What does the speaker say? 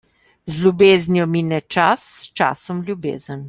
Z ljubeznijo mine čas, s časom ljubezen.